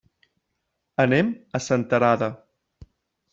Anem a Senterada.